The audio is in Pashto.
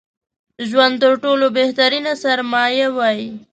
ژوند تر ټولو بهترينه سرمايه وای